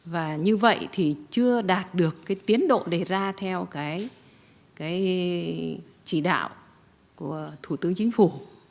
và như vậy thì chưa đạt được tiến độ đề ra theo chỉ đạo của thủ tướng chính phủ